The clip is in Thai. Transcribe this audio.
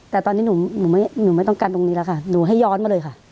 แต่ตอนนี้หนูไม่ต้องการตรงนี้แล้วค่ะหนูให้ย้อนมาเลยค่ะ